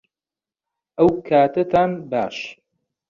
ئەوکاتەتان باش